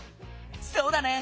そうだね！